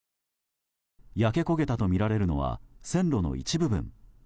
焼け焦げたとみられるのは線路の一部分。